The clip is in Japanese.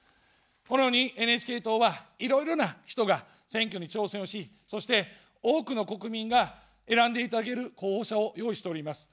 このようにＮＨＫ党は、いろいろな人が選挙に挑戦をし、そして多くの国民が選んでいただける候補者を用意しております。